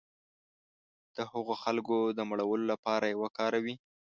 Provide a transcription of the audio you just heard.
د هغو خلکو د مړولو لپاره یې وکاروي.